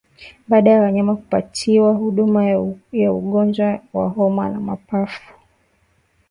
Baada ya wanyama kupatiwa huduma ya ugonjwa wa homa ya mapafu